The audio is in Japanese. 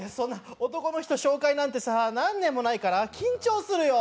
男の人紹介なんてさ何年もないから緊張するよ。